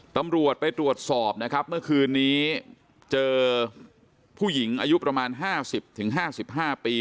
ตำรวจไปตรวจสอบนะครับเมื่อคืนนี้เจอผู้หญิงอายุประมาณ๕๐๕๕ปี